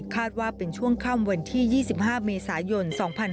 คาดว่าเป็นช่วงข้ามวันที่๒๕เมษายน๒๕๔๐